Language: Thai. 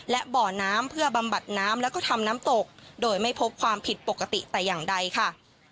และบ่อน้ำเพื่อบำบัดน้ำแล้วก็ทำน้ำตกโดยไม่พบความผิดปกติแต่อย่างใดค่ะ